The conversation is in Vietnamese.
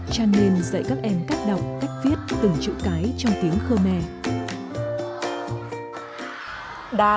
chanen dạy các em cách đọc cách viết từng chữ cái trong tiếng khmer